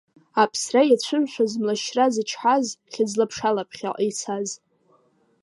Аԥсра иацәымшәаз, млашьра зычҳаз, хьыӡла-ԥшала ԥхьаҟа ицаз…